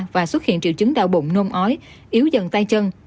và xuất hiện triệu chứng đau bụng nôn ói yếu dần tay chân